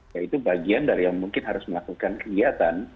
ya itu bagian dari yang mungkin harus melakukan kegiatan